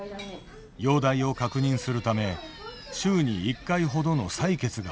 容体を確認するため週に１回ほどの採血が続いていた。